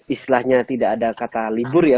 istilahnya tidak ada kata libur ya